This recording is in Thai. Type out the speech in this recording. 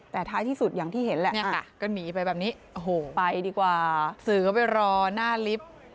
แต่ท้ายที่สุดอย่างที่เห็นแหละก็หนีไปแบบนี้โอ้โหไปดีกว่าสื่อก็ไปรอหน้าลิฟต์